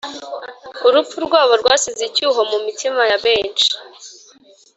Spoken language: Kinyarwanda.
urupfu rwabo rwasize icyuho mu mitima ya benshi